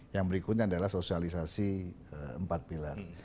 yang berikutnya adalah sosialisasi empat pilar